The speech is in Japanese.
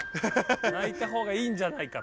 泣いたほうがいいんじゃないかと。